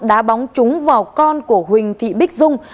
đã bóng trúng vào con của huỳnh thị bích dung